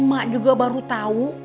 mak juga baru tau